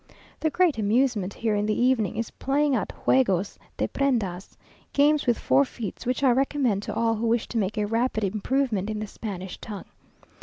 The great amusement here in the evening is playing at juegos de prendas, games with forfeits, which I recommend to all who wish to make a rapid improvement in the Spanish tongue.